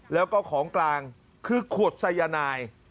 แล้วก็ของกลางคือขวดไซยาไนน์